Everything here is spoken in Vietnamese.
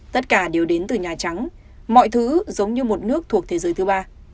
tất cả đều đến từ nhà trắng mọi thứ giống như một nước thuộc thế giới thứ ba